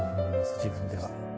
自分では。